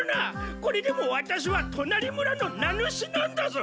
これでもワタシはとなり村の名主なんだぞ！